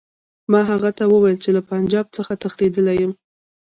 ما هغه ته وویل چې له پنجاب څخه تښتېدلی یم.